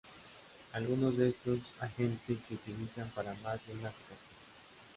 Algunos de estos agentes se utilizan para más de una aplicación.